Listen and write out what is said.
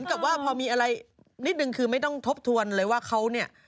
กับว่าพอมีอะไรนิดนึงคือไม่ต้องทบทวนเลยว่าเขาเนี่ย